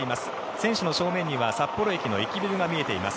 選手の正面には札幌駅の駅ビルが見えています。